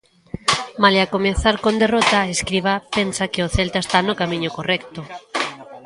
Malia comezar con derrota, Escribá pensa que o Celta está no camiño correcto.